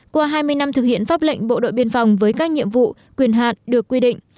qua hai mươi năm thực hiện pháp lệnh bộ đội biên phòng với các nhiệm vụ quyền hạn được quy định